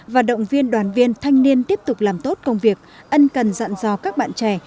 và động viên đoàn viên thanh niên tiếp tục làm tốt công việc ân cần dặn do các bạn trẻ